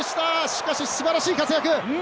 しかし、素晴らしい活躍。